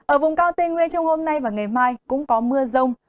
ở vùng cao thiên huế trong hôm nay và ngày mai cũng có mưa rông